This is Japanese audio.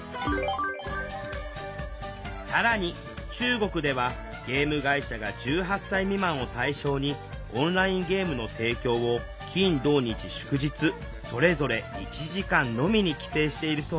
更に中国ではゲーム会社が１８歳未満を対象にオンラインゲームの提供を金土日祝日それぞれ１時間のみに規制しているそうよ